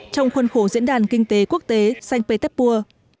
trong khuôn khổ diễn đàn kinh tế quốc tế sanh pétepur